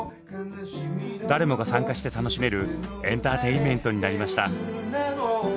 誰もが参加して楽しめるエンターテインメントになりました。